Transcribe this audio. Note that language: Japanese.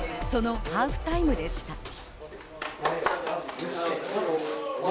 そのハーフタイムでした。